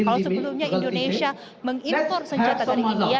kalau sebelumnya indonesia mengimpor senjata dari india